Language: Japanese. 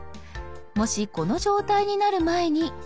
もしこの状態になる前に。